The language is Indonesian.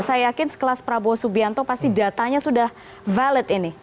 saya yakin sekelas prabowo subianto pasti datanya sudah valid ini